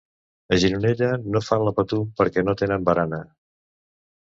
A Gironella, no fan la Patum perquè no tenen barana.